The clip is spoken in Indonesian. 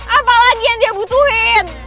apalagi yang dia butuhin